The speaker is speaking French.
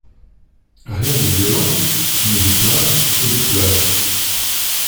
Rien de violent, mais des plaintes et des pleurs.